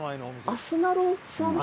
アスナロさん。